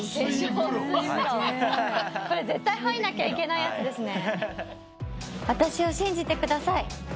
これ絶対入んなきゃいけないやつですね。